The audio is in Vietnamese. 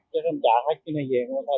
cho thông trả hết cái này về không